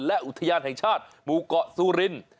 และอุทยานแห่งชาติหมู่เกาะซูริน